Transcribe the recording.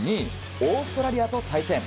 オーストラリアと対戦。